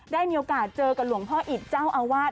ได้มีโอกาสเจอกับหลวงพ่ออิตเจ้าอาวาส